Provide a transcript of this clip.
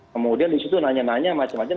kemudian di situ nanya nanya macam macam